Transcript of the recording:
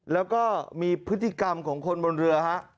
แล้วก็มีพฤติกรรมของคนบนเรือฮะ